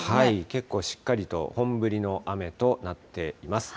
結構しっかりと、本降りの雨となっています。